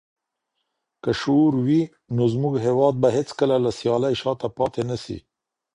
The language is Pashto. که شعور وي، نو زموږ هېواد به هيڅکله له سيالۍ شاته پاته نسي.